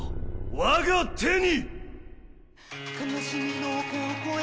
我が手に！